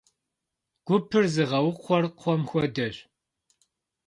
Гупыр зыгъэукхъуэр кхъуэм хуэдэщ.